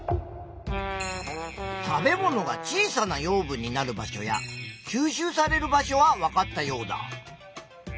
食べ物が小さな養分になる場所や吸収される場所はわかったヨウダ。